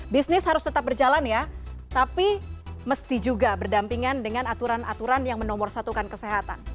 bisnis harus tetap berjalan ya tapi mesti juga berdampingan dengan aturan aturan yang menomorsatukan kesehatan